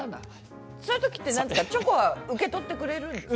そういうときはチョコは受け取ってくれるの？